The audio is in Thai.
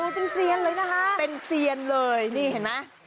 เป็นเซียนเลยนะคะเป็นเซียนเลยนี่เห็นไหม